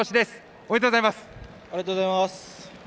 ありがとうございます。